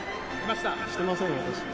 してませんよ、私。